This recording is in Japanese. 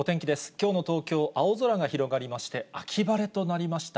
きょうの東京、青空が広がりまして、秋晴れとなりました。